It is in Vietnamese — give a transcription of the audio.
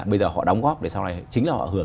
bây giờ họ đóng góp để sau này chính là họ hưởng